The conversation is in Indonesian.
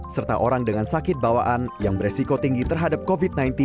serta orang dengan sakit bawaan yang beresiko tinggi terhadap covid sembilan belas